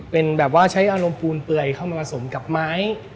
เป็นแบบว่าใช้อารมณ์ปูนเปลือยเข้ามาผสมกับไม้